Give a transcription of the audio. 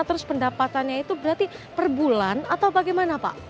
terus pendapatannya itu berarti per bulan atau bagaimana pak